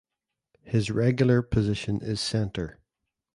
His regular position is centre.